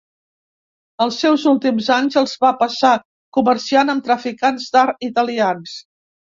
Els seus últims anys els va passar comerciant amb traficants d'art italians.